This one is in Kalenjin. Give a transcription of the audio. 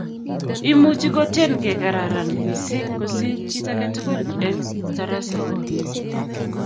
Imuchi kotyen kekararan mising kosiir chit ake tukul eng tarasenyi